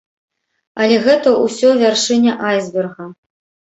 Але гэта ўсё вяршыня айсберга.